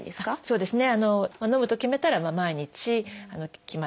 そうですね。